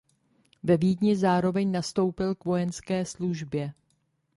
Ve Vídni zároveň nastoupil k vojenské službě.